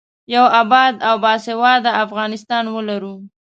یو اباد او باسواده افغانستان ولرو.